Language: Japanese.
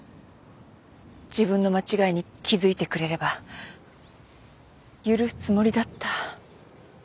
自分の間違いに気付いてくれれば許すつもりだった。